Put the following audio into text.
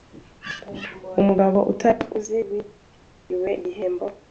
umugabo utari uzi witiriwe igihembo